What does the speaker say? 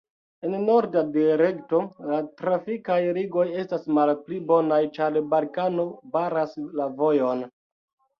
En norda direkto la trafikaj ligoj estas malpli bonaj, ĉar Balkano baras la vojon.